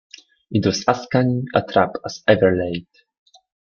It was as cunning a trap as ever laid.